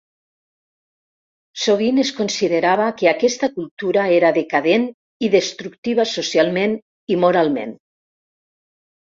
Sovint es considerava que aquesta cultura era decadent i destructiva socialment i moralment.